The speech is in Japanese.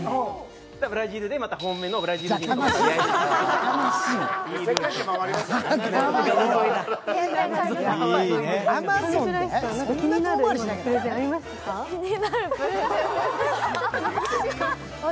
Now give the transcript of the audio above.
ブラジルでまた、本命のブラジル人に会えるという。